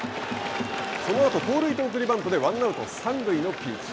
そのあと、盗塁と送りバントでワンアウト、三塁のピンチ。